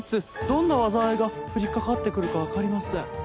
どんな災いが降りかかってくるかわかりません。